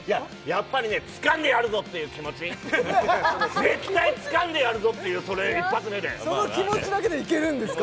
やっぱりねつかんでやるぞっていう気持ち絶対つかんでやるぞっていうそれ一発目でその気持ちだけでいけるんですか？